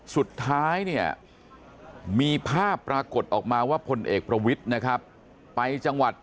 สุดท้ายเนี่ยมีภาพปรากฏออกมาว่าพลเอกประวิทย์นะครับไปจังหวัด